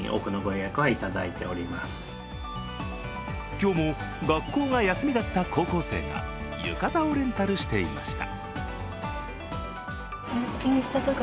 今日も、学校が休みだった高校生が浴衣をレンタルしていました。